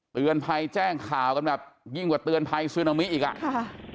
เตือนภัยแจ้งข่าวกันแบบยิ่งกว่าเตือนภัยซึนามิอีกอ่ะค่ะ